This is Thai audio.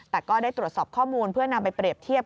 แต่ก็ได้ตรวจสอบข้อมูลเพื่อนำไปเปรียบเทียบ